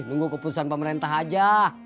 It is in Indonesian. nunggu keputusan pemerintah aja